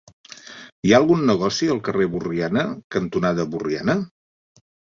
Hi ha algun negoci al carrer Borriana cantonada Borriana?